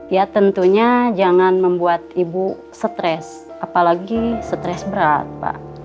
ya tentunya jangan membuat ibu stres apalagi stres berat pak